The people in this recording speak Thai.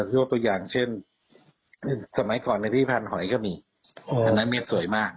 ยกตัวอย่างเช่นสมัยก่อนในพิพันธ์หอยก็มีอันนั้นเมฆสวยมาก